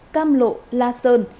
cam lộ la sơn